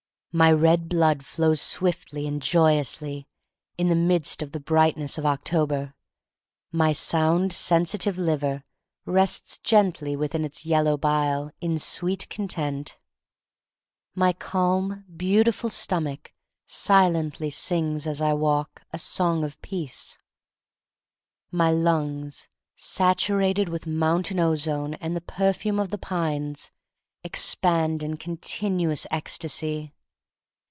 My red blood flows swiftly and joy ously — in the midst of the brightness of October. My sound, sensitive liver rests gently with its thin yellow bile in sweet con tent. My calm, beautiful stomach silently sings, as I walk, a song of peace. My lungs, saturated with mountain ozone and the perfume of the pines, expand in continuous ecstasy.